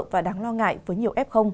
và đáng lo ngại với nhiều f